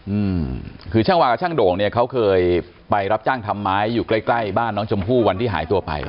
อืมคือช่างวากับช่างโด่งเนี้ยเขาเคยไปรับจ้างทำไม้อยู่ใกล้ใกล้บ้านน้องชมพู่วันที่หายตัวไป